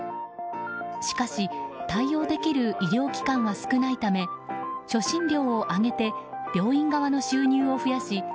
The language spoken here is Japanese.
しかし、対応できる医療機関が少ないため初診料を上げて病院側の収入を増やし